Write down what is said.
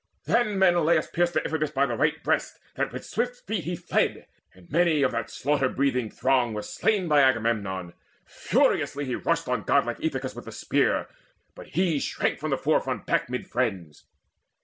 Then Menelaus pierced Deiphobus By the right breast, that with swift feet he fled. And many of that slaughter breathing throng Were slain by Agamemnon: furiously He rushed on godlike Aethicus with the spear; But he shrank from the forefront back mid friends.